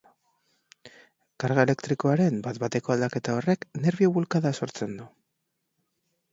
Karga elektrikoaren bat-bateko aldaketa horrek nerbio-bulkada sortzen du.